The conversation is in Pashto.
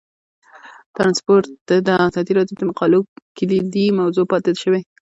ترانسپورټ د ازادي راډیو د مقالو کلیدي موضوع پاتې شوی.